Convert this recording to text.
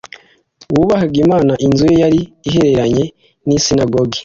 wubahaga Imana, inzu ye yari ihererenye n’isinagogi.”